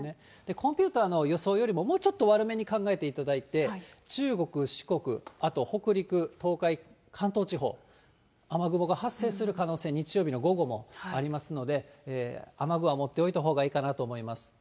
コンピューターの予想よりも、もうちょっと悪めに考えていただいて、中国、四国、あと北陸、東海、関東地方、雨雲が発生する可能性、日曜日の午後もありますので、雨具は持っておいたほうがいいかなと思います。